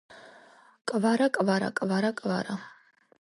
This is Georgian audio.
კვარა, კვარა, კვარა კვარა